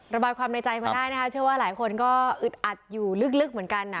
ระบายความในใจมาได้นะคะเชื่อว่าหลายคนก็อึดอัดอยู่ลึกเหมือนกัน